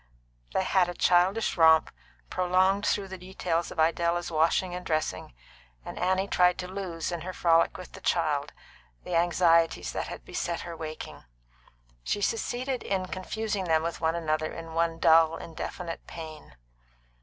They had a childish romp, prolonged through the details of Idella's washing and dressing, and Annie tried to lose, in her frolic with the child, the anxieties that had beset her waking; she succeeded in confusing them with one another in one dull, indefinite pain.